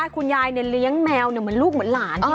คุณยายเลี้ยงแมวเหมือนลูกเหมือนหลาน